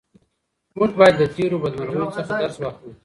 موږ باید له تېرو بدمرغیو څخه درس واخلو.